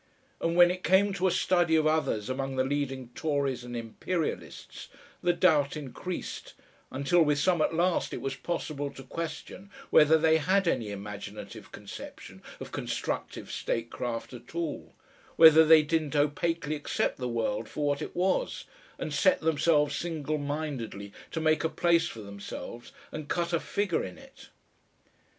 And when it came to a study of others among the leading Tories and Imperialists the doubt increased, until with some at last it was possible to question whether they had any imaginative conception of constructive statecraft at all; whether they didn't opaquely accept the world for what it was, and set themselves single mindedly to make a place for themselves and cut a figure in it.